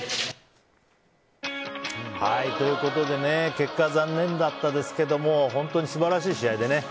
結果残念だったですけど本当に素晴らしい試合で。